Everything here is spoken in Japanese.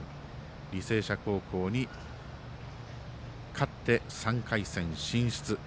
履正社高校に勝って３回戦進出。